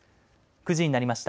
９時になりました。